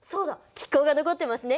気候が残ってますね。